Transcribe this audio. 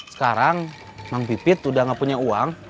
sekarang bang pipit udah gak punya uang